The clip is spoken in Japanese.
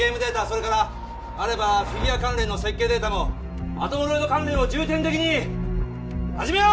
それからあればフィギュア関連の設計データもアトムロイド関連を重点的に始めろ！